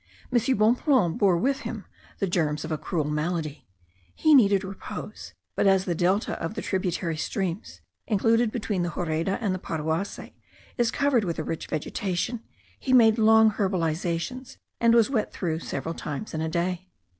M. Bonpland bore with him the germs of a cruel malady; he needed repose; but as the delta of the tributary streams included between the Horeda and Paruasi is covered with a rich vegetation, he made long herbalizations, and was wet through several times in a day.